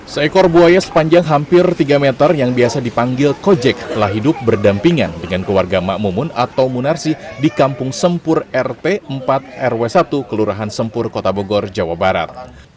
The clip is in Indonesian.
seekor buaya sepanjang hampir tiga meter yang biasa dipanggil kojek telah hidup berdampingan dengan keluarga makmumun atau munarsi di kampung sempur rt empat rw satu kelurahan sempur kota bogor jawa barat